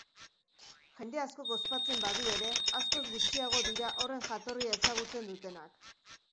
Jende askok ospatzen badu ere, askoz gutxiago dira horren jatorria ezagutzen dutenak.